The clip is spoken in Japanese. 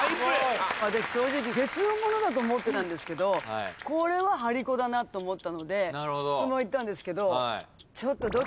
私正直別のものだと思ってたんですけどこれは張り子だなと思ったのでそのままいったんですけどちょっと。